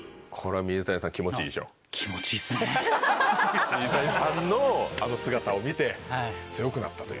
水谷さんのあの姿を見て強くなったという。